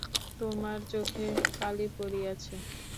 তােমার চোখে কালি পড়িয়াছে।